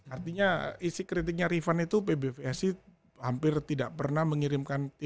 artinya isi kritiknya rifan itu pbvsi hampir tidak pernah mengirimkan